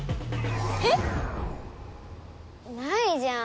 えっ？ないじゃん。